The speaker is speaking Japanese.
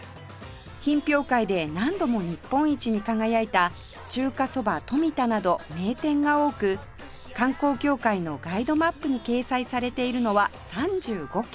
品評会で何度も日本一に輝いた中華蕎麦とみ田など名店が多く観光協会のガイドマップに掲載されているのは３５軒